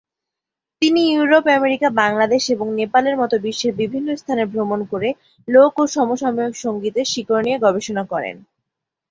তিনি Europe, America, Bangladesh এবং নেপালের মতো বিশ্বের বিভিন্ন স্থানে ভ্রমণ করে লোক ও সমসাময়িক সংগীতের শিকড় নিয়ে গবেষণা করেন।